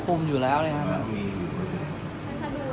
เพราะว่าคนแนวร่วมเขาไม่ค่อยทอดใจที่ไม่ได้ต้องหยุดปฏิบัติหน้าที่ไม่ได้